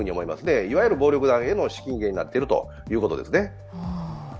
いわゆる暴力団への資金源になっているということですね。